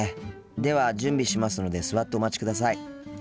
では準備しますので座ってお待ちください。